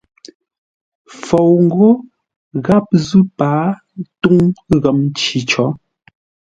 Fou ghó gháp zʉ́ pâa túŋ ghəm nci có.